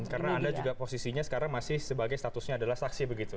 karena anda juga posisinya sekarang masih sebagai statusnya adalah saksi begitu